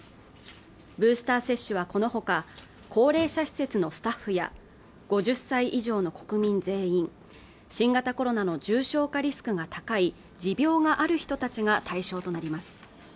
ブースター接種はこのほか高齢者施設のスタッフや５０歳以上の国民全員新型コロナの重症化リスクが高い持病がある人たちが対象となります